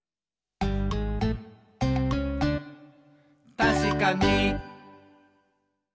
「たしかに！」